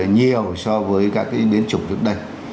nhiều so với các cái biến chủng trước đây